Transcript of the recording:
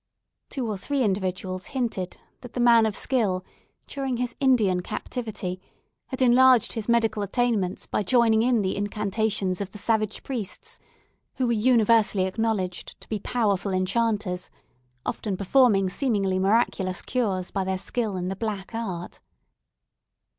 Two or three individuals hinted that the man of skill, during his Indian captivity, had enlarged his medical attainments by joining in the incantations of the savage priests, who were universally acknowledged to be powerful enchanters, often performing seemingly miraculous cures by their skill in the black art.